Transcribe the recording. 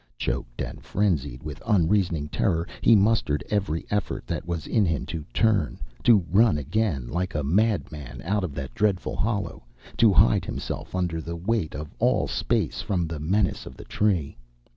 Choked and frenzied with unreasoning terror, he mustered every effort that was in him to turn, to run again like a mad man out of that dreadful hollow, to hide himself under the weight of all space from the menace of the Tree.